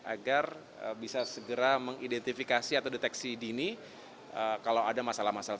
agar bisa segera mengidentifikasi atau deteksi dini kalau ada masalah masalah